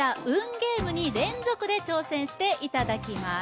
ゲームに連続で挑戦していただきます